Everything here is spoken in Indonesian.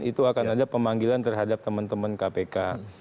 itu akan ada pemanggilan terhadap teman teman kpk